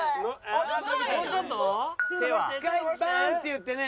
一回バーンっていってね